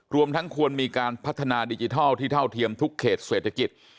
รวมทั้งควรมีการพัฒนาดิจิทัลที่เท่าเทียมทุกเขตเศรษฐกิจ